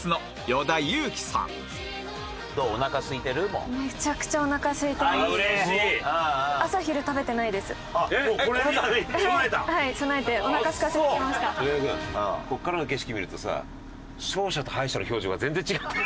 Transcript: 上田君ここからの景色見るとさ勝者と敗者の表情が全然違って。